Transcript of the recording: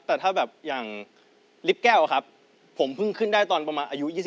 แต่ถ้าอย่างริปแก้วครับผมเพิ่งขึ้นได้ตอนประมาณอายุอายุ๒๐๒๑